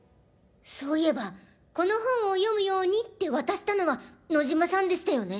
そういえばこの本を読むようにって渡したのは野嶋さんでしたよね？